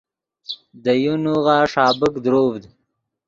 دے یو نوغہ ݰابیک دروڤد